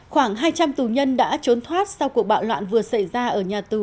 khoảng hai trăm linh tù nhân đã trốn thoát sau cuộc bạo loạn vừa xảy ra ở nhà tù